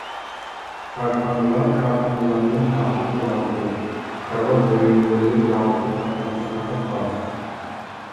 كارخانىلار كارخانىلاردىن كابېل زاۋۇتى، كارىۋات بۇيۇملىرى زاۋۇتى قاتارلىقلار بار.